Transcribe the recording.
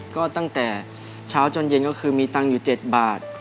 ก็ตั้งแต่เช้าจนเย็นก็คือมีตังค์อยู่๗บาท